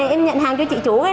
em nhận hàng cho chị chủ